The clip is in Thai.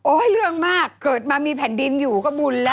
เรื่องมากเกิดมามีแผ่นดินอยู่ก็บุญแล้ว